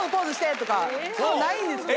ないんですけど。